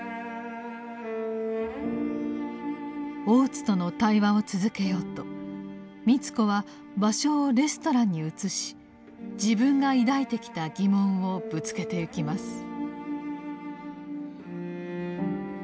大津との対話を続けようと美津子は場所をレストランに移し自分が抱いてきた疑問をぶつけてゆきます。